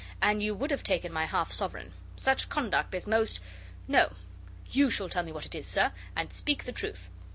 And you would have taken my half sovereign. Such conduct is most No you shall tell me what it is, sir, and speak the truth.